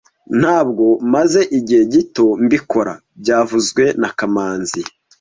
Ntabwo maze igihe gito mbikora byavuzwe na kamanzi